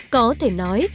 có thể nói